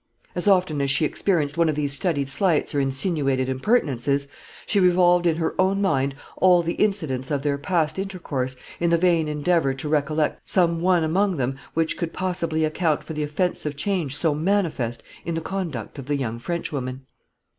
As often as she experienced one of these studied slights or insinuated impertinences, she revolved in her own mind all the incidents of their past intercourse, in the vain endeavor to recollect some one among them which could possibly account for the offensive change so manifest in the conduct of the young Frenchwoman.